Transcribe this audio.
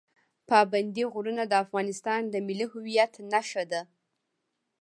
پابندی غرونه د افغانستان د ملي هویت نښه ده.